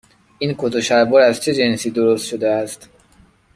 این کت و شلوار از چه جنسی درست شده است؟